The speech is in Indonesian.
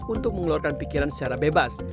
untuk mengeluarkan pikiran secara bebas